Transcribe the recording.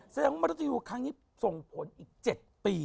แสดงว่ามนุษยูครั้งนี้ส่งผลอีก๗ปี